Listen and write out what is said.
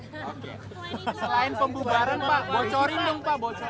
selain pembubaran pak bocorin dong pak